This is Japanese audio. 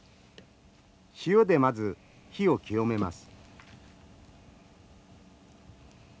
塩でまず火を清めます。